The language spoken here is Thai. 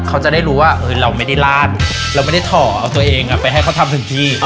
เขาจะได้รู้ว่าเราไม่ได้ลาดเราไม่ได้ถ่อเอาตัวเองไปให้เขาทำถึงที่